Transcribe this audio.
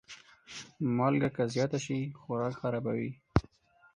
مالګه که زیاته شي، خوراک خرابوي.